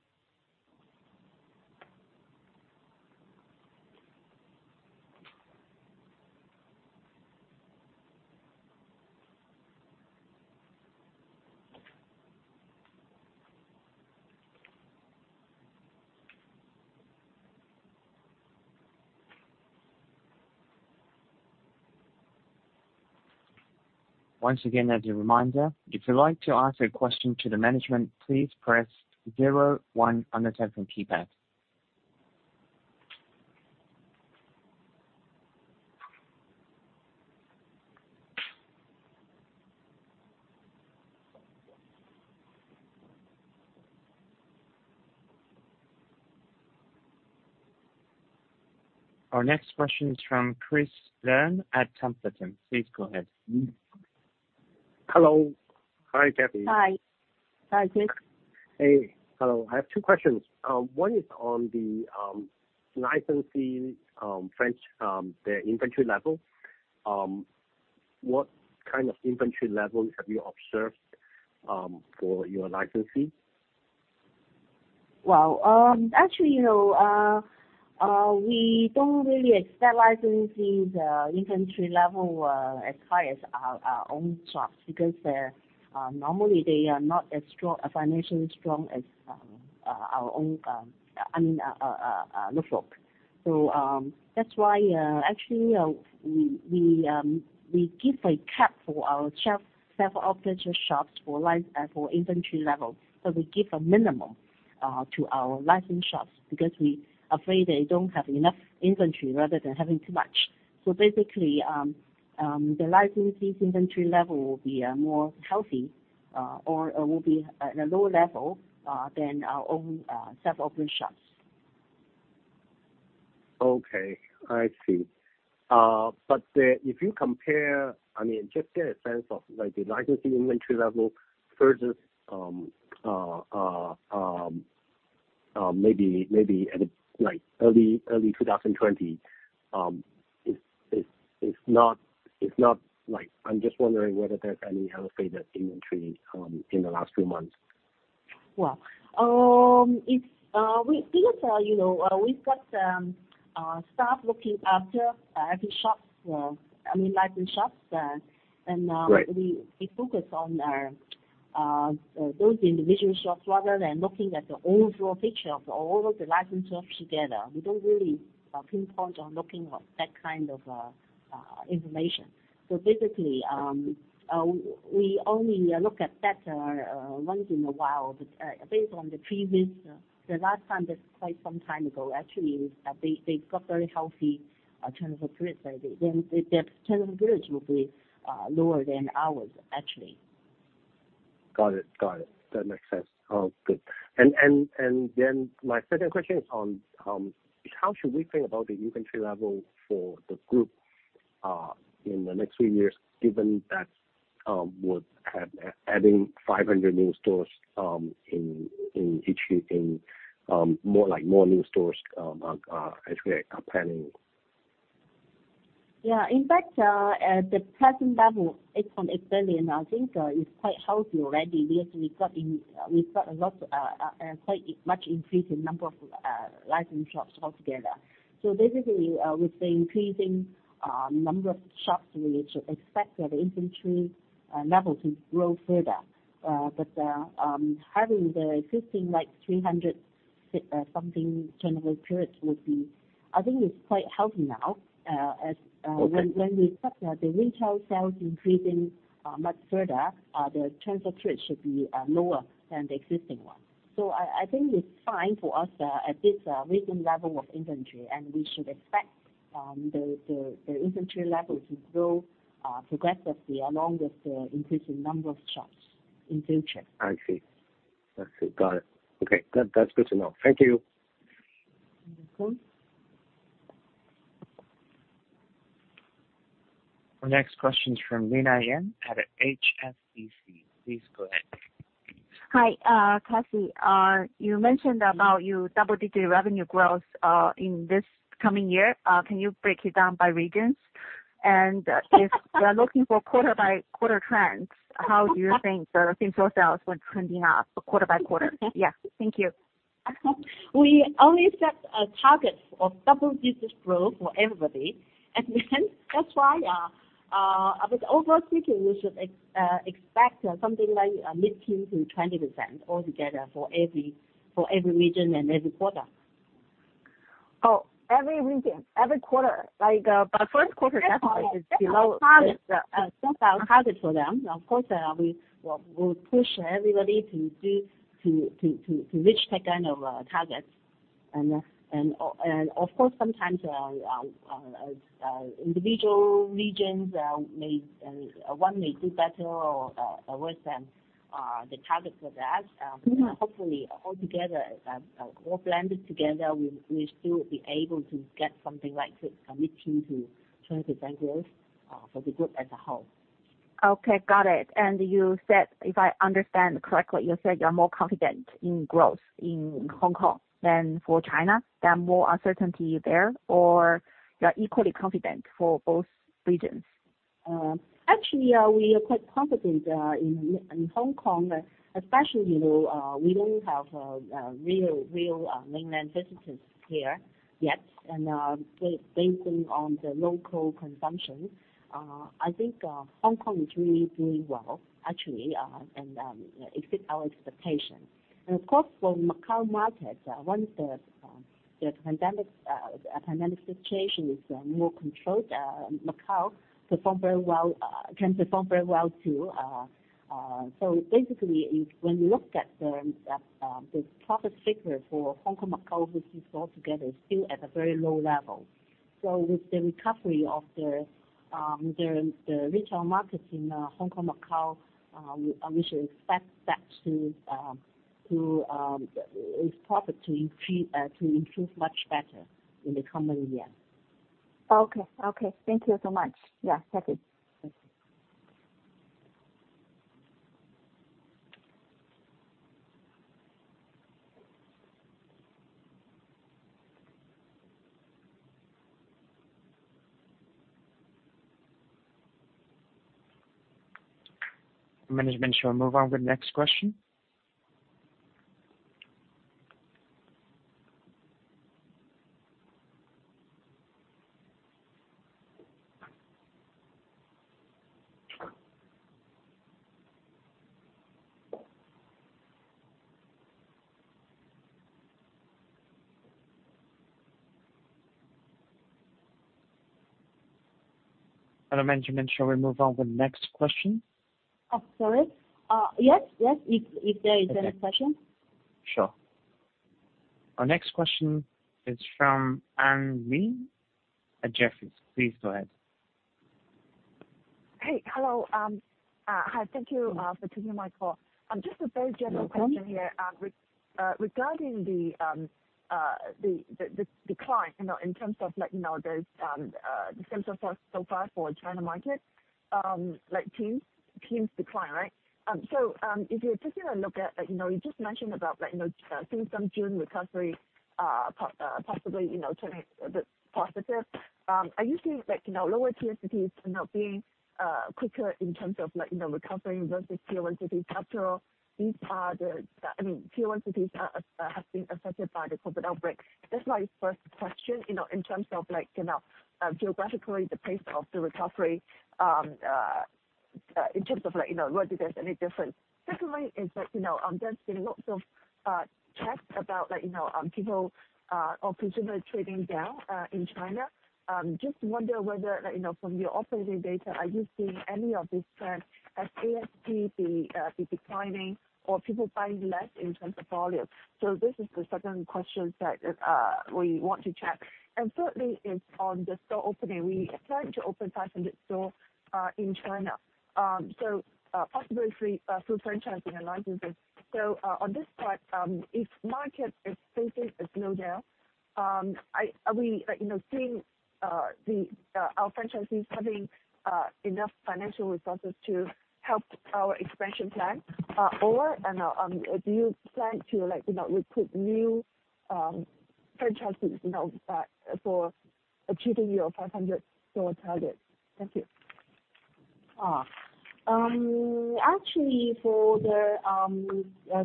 Speaker 1: Once again, as a reminder, if you'd like to ask a question to the management, please press zero one on the telephone keypad. Our next question is from Chris Leung at Templeton Global Investments. Please go ahead.
Speaker 5: Hello. Hi, Kathy Chan.
Speaker 3: Hi. Hi, Chris.
Speaker 5: Hey. Hello. I have two questions. One is on the licensee franchise their inventory level. What kind of inventory level have you observed for your licensees?
Speaker 3: Well, actually, you know, we don't really expect licensees inventory level as high as our own shops, because normally they are not as strong, financially strong as our own, I mean, Luk Fook. That's why, actually, we give a cap for our self-operated shops for inventory levels. We give a minimum to our licensed shops because we're afraid they don't have enough inventory rather than having too much. Basically, the licensees inventory level will be more healthy, or will be at a lower level than our own self-operated shops.
Speaker 5: Okay. I see. If you compare, I mean, just get a sense of like the licensee inventory level versus maybe at a like early 2020, it's not like I'm just wondering whether there's any elevated inventory in the last few months.
Speaker 3: Well, these are, you know, we've got staff looking after every shops, I mean, licensed shops.
Speaker 5: Right.
Speaker 3: We focus on those individual shops rather than looking at the overall picture of all of the licensed shops together. We don't really pinpoint on looking at that kind of information. Basically, we only look at that once in a while, but based on the previous, the last time, that's quite some time ago, actually, they've got very healthy turnover periods. Like, their turnover periods will be lower than ours, actually.
Speaker 5: Got it. That makes sense. All good. My second question is on how should we think about the inventory level for the group in the next few years, given that we're adding 500 new stores in each year, more like more new stores as we are planning?
Speaker 3: Yeah. In fact, at the present level, HKD 8.8 billion, I think, is quite healthy already. We actually we've got a lot and quite much increase in number of licensed shops altogether. Basically, with the increasing number of shops, we should expect that inventory level to grow further. Having the existing like 300-something turnover periods would be. I think it's quite healthy now, as.
Speaker 5: Okay.
Speaker 3: When we expect the retail sales increasing much further, the turnover period should be lower than the existing one. I think it's fine for us at this recent level of inventory, and we should expect the inventory level to grow progressively along with the increasing number of shops in future.
Speaker 5: I see. That's it. Got it. Okay. That's good to know. Thank you.
Speaker 3: Mm-hmm.
Speaker 1: Our next question is from Lena Yan out of HSBC. Please go ahead.
Speaker 6: Hi, Kathy. You mentioned about your double-digit revenue growth in this coming year. Can you break it down by regions? If we're looking for quarter by quarter trends, how do you think the same-store sales were trending up quarter by quarter? Yeah. Thank you.
Speaker 3: We only set a target of double-digit growth for everybody. That's why, I think overall speaking, we should expect something like mid-teens to 20% altogether for every region and every quarter.
Speaker 6: Oh, every region, every quarter, like, but first quarter definitely is below-
Speaker 3: Set our target for them. Of course, we'll push everybody to reach that kind of target. Of course, sometimes individual regions, one may do better or worse than the target for that.
Speaker 6: Mm-hmm.
Speaker 3: Hopefully altogether, all blended together, we still be able to get something like 6% to mid-teens to 20% growth for the group as a whole.
Speaker 6: Okay. Got it. You said, if I understand correctly, you said you're more confident in growth in Hong Kong than for China? There are more uncertainty there, or you're equally confident for both regions?
Speaker 3: Actually, we are quite confident in Hong Kong, especially, you know, we don't have real mainland visitors here yet. Basing on the local consumption, I think Hong Kong is really doing well, actually, and it fit our expectation. Of course, for Macau market, once the pandemic situation is more controlled, Macau perform very well, can perform very well too. Basically when you look at the profit figure for Hong Kong, Macau, which is altogether still at a very low level. With the recovery of the retail market in Hong Kong, Macau, we should expect that to its profit to increase to improve much better in the coming year.
Speaker 6: Okay. Thank you so much. Yeah. That's it.
Speaker 3: Thank you.
Speaker 1: Management, shall we move on with next question? Hello, Management, shall we move on with next question?
Speaker 3: Oh, sorry. Yes, yes. If there is any question?
Speaker 1: Okay. Sure. Our next question is from Anne Ling at Jefferies. Please go ahead.
Speaker 7: Hey. Hello. Hi, thank you for taking my call. Just a very general question here. Regarding the decline, you know, in terms of like, you know, the same-store sales for China market, like teens% decline, right? If you're taking a look at like, you know, you just mentioned about like, you know, since June recovery, possibly, you know, turning a bit positive. Are you seeing like, you know, lower-tier cities, you know, being quicker in terms of like, you know, recovering versus tier-one cities after all these? I mean, tier-one cities have been affected by the COVID outbreak? That's my first question, you know, in terms of like, you know, geographically the pace of the recovery, in terms of like, you know, whether there's any difference. Secondly is that, you know, there's been lots of chat about like, you know, people or consumer trading down in China. Just wonder whether, like, you know, from your operating data, are you seeing any of this trend as ASP be declining or people buying less in terms of volume? So this is the second question that we want to check. Thirdly is on the store opening. We plan to open 500 stores in China, so possibly through franchising and licensing. On this part, if market is facing a slowdown, I Are we like, you know, seeing our franchisees having enough financial resources to help our expansion plan? Or do you plan to like, you know, recruit new franchises, you know, for achieving your 500 store target? Thank you.
Speaker 3: Actually for the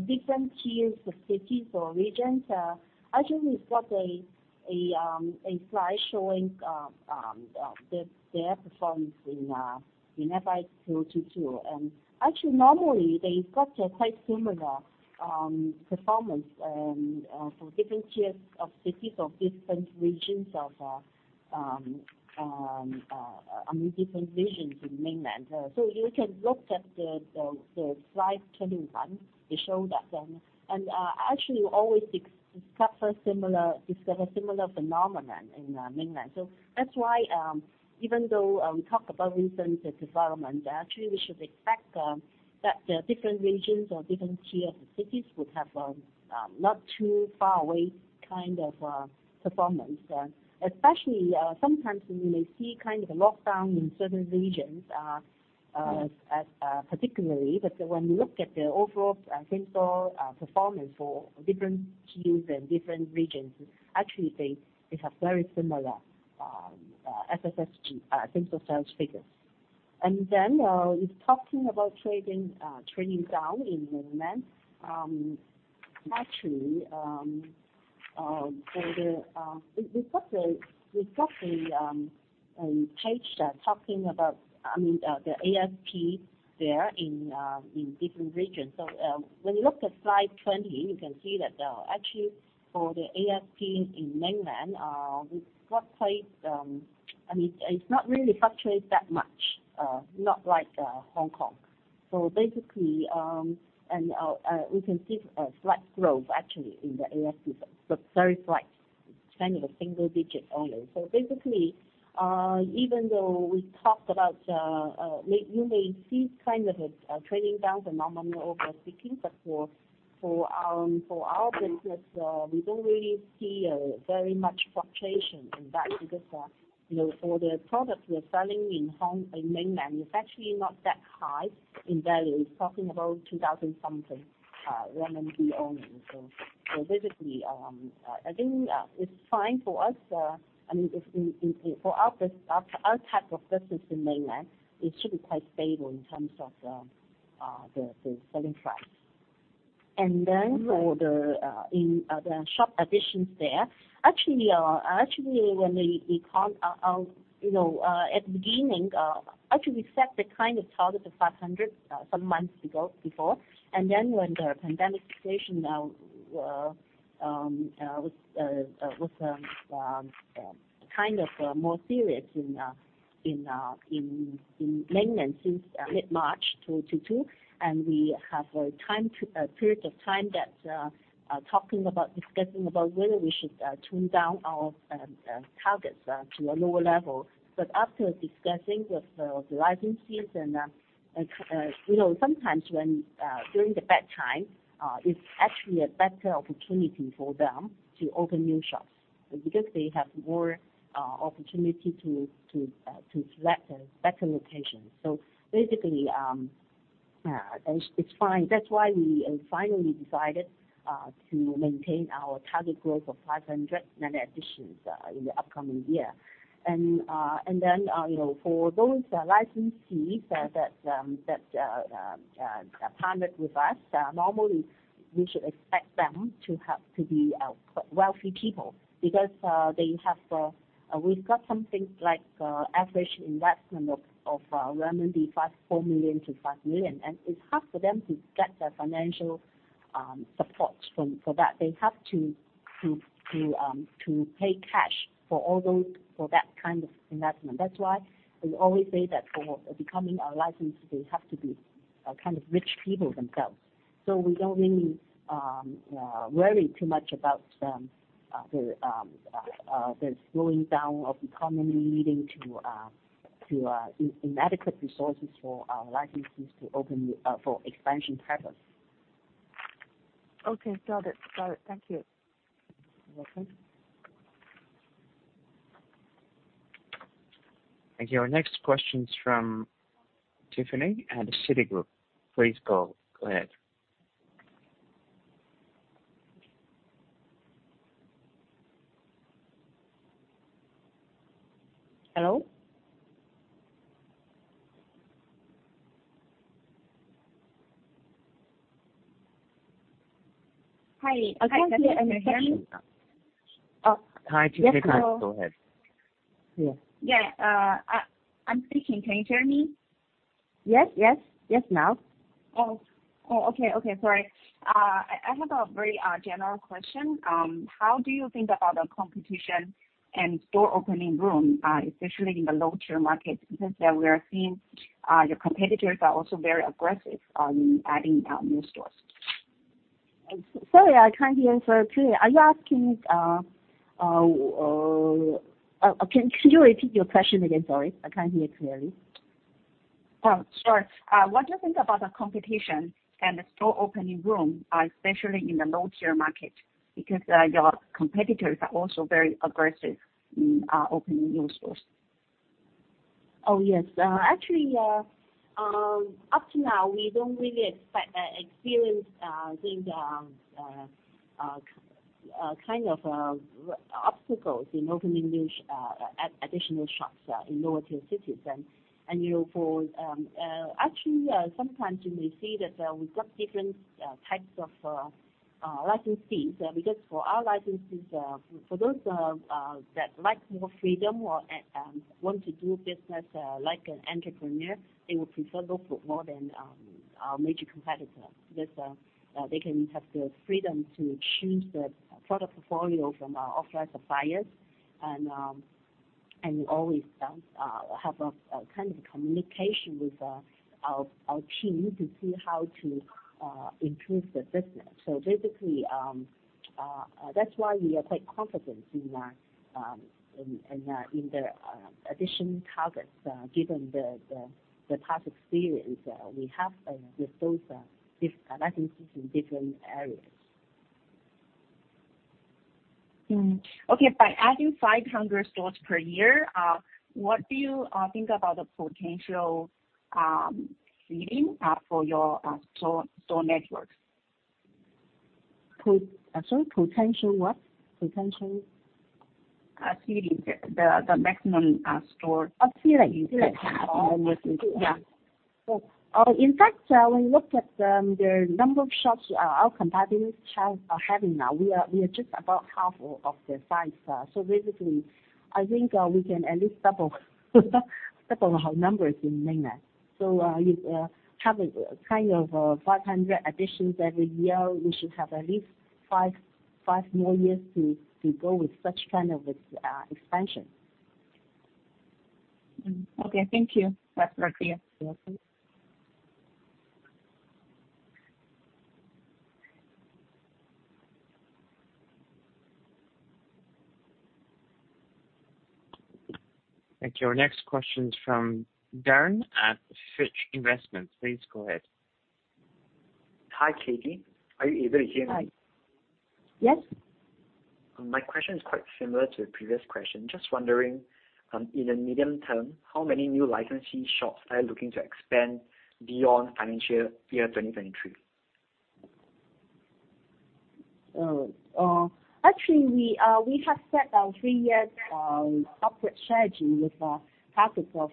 Speaker 3: different tiers of cities or regions, actually we've got a slide showing their performance in FY 2022. Actually normally they've got a quite similar performance for different tiers of cities or different regions of, I mean, different regions in mainland. You can look at the slide 21 to show that. Actually we always discover similar phenomenon in mainland. That's why even though we talk about recent development, actually we should expect that the different regions or different tier of the cities would have not too far away kind of performance. Especially sometimes we may see kind of a lockdown in certain regions, particularly. When you look at the overall same-store performance for different Qs and different regions, actually they have very similar SSSG same-store sales figures. You're talking about trading trending down in Mainland. Actually, we've got the page that's talking about, I mean, the ASP there in different regions. When you look at slide 20, you can see that actually for the ASP in Mainland, we've got quite, I mean, it's not really fluctuate that much, not like Hong Kong. Basically, we can see a slight growth actually in the ASP, but very slight. It's kind of a single digit only. Basically, even though we talked about, you may see kind of a trending down phenomenon overall speaking, but for our business, we don't really see a very much fluctuation in that because, you know, for the products we are selling in Mainland, it's actually not that high in value. It's talking about 2,000 something, RMB only. Basically, I think it's fine for us. I mean, for our type of business in Mainland, it should be quite stable in terms of the selling price. For the shop additions there, actually, at the beginning, actually we set the kind of target of 500 some months ago before. When the pandemic situation was kind of more serious in Mainland since mid-March 2022, and we have a period of time talking about, discussing whether we should tone down our targets to a lower level. After discussing with the licensees and, you know, sometimes during the bad time, it's actually a better opportunity for them to open new shops, because they have more opportunity to select a better location. Basically, it's fine. That's why we finally decided to maintain our target growth of 500 net additions in the upcoming year. You know, for those licensees that are partnered with us, normally we should expect them to be wealthy people because they have, we've got something like average investment of 4 million-5 million, and it's hard for them to get the financial supports from for that. They have to pay cash for all those, for that kind of investment. That's why we always say that for becoming a licensee, they have to be kind of rich people themselves. We don't really worry too much about the slowing down of economy leading to inadequate resources for our licensees to open new for expansion purpose.
Speaker 7: Okay. Got it. Thank you.
Speaker 3: You're welcome.
Speaker 1: Thank you. Our next question's from Tiffany Feng at Citigroup. Please go ahead.
Speaker 3: Hello?
Speaker 8: Hi. I can't hear. Can you hear me?
Speaker 3: I can't hear.
Speaker 8: Oh.
Speaker 1: Hi, Tiffany.
Speaker 8: Yes, hello.
Speaker 1: Go ahead.
Speaker 3: Yeah.
Speaker 8: Yeah. I'm speaking. Can you hear me?
Speaker 3: Yes. Yes. Yes, now.
Speaker 8: Oh. Okay. Sorry. I have a very general question. How do you think about the competition and store opening room, especially in the low-tier markets? Because we are seeing your competitors are also very aggressive in adding new stores.
Speaker 3: Sorry, I can't hear so clearly. Can you repeat your question again? Sorry, I can't hear clearly.
Speaker 8: Oh, sure. What do you think about the competition and the store opening boom, especially in the low-tier market? Because your competitors are also very aggressive in opening new stores.
Speaker 3: Oh, yes. Actually, up to now, we don't really expect experience these kind of obstacles in opening new additional shops in lower tier cities. You know, actually, sometimes you may see that we've got different types of licensees. Because for our licensees, for those that like more freedom or want to do business like an entrepreneur, they would prefer TOPPUP more than our major competitor because they can have the freedom to choose the product portfolio from our authorized suppliers. We always have a kind of communication with our team to see how to improve the business. Basically, that's why we are quite confident in the acquisition targets, given the past experience we have with those licensees in different areas.
Speaker 8: Mm-hmm. Okay. By adding 500 stores per year, what do you think about the potential ceiling for your store networks?
Speaker 3: Potential what?
Speaker 8: Ceiling. The maximum store-
Speaker 3: Oh, ceiling.
Speaker 8: You could have. Yeah.
Speaker 3: In fact, when you look at the number of shops, our competitors having now, we are just about half of their size. Basically I think we can at least double our numbers in Mainland. If having kind of 500 additions every year, we should have at least five more years to go with such kind of expansion.
Speaker 8: Okay. Thank you. That's clear.
Speaker 3: You're welcome.
Speaker 1: Thank you. Our next question's from Darren at Fitch Ratings. Please go ahead.
Speaker 9: Hi, Kathy. Are you able to hear me?
Speaker 3: Hi. Yes.
Speaker 9: My question is quite similar to the previous question. Just wondering, in the medium term, how many new licensee shops are you looking to expand beyond financial year 2023?
Speaker 3: Actually, we have set our three-year output strategy with a target of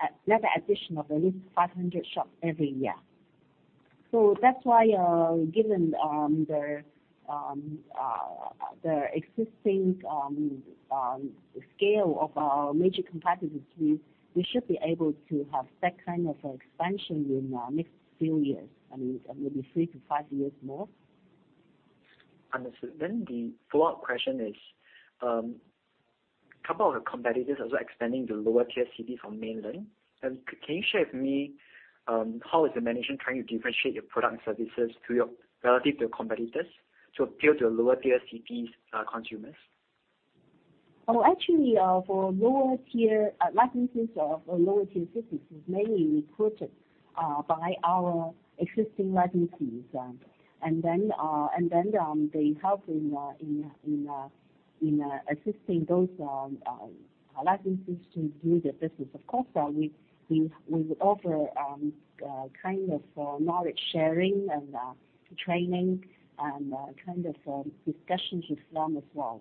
Speaker 3: at net addition of at least 500 shops every year. That's why, given the existing scale of our major competitors, we should be able to have that kind of expansion in next few years. I mean, maybe three-five years more.
Speaker 9: Understood. The follow-up question is, couple of competitors are also expanding to lower tier cities from Mainland. Can you share with me how is the management trying to differentiate your product and services relative to your competitors to appeal to lower tier cities consumers?
Speaker 3: Oh, actually, for lower tier licensees or lower tier cities is mainly recruited by our existing licensees. They help in assisting those licensees to do the business. Of course, we would offer kind of knowledge sharing and training and kind of discussions with them as well.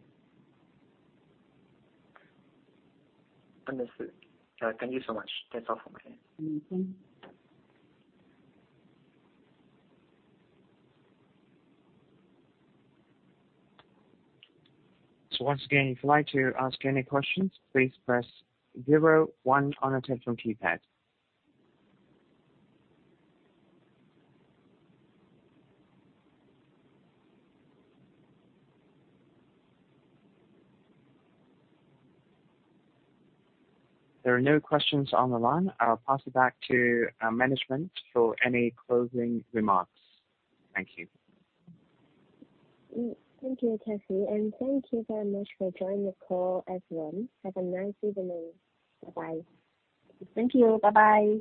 Speaker 9: Understood. Thank you so much. That's all from my end.
Speaker 3: Mm-hmm.
Speaker 1: Once again, if you'd like to ask any questions, please press zero one on your telephone keypad. There are no questions on the line. I'll pass it back to management for any closing remarks. Thank you.
Speaker 2: Thank you, Kathy Chan, and thank you very much for joining the call, everyone. Have a nice evening. Bye-bye.
Speaker 3: Thank you. Bye-bye.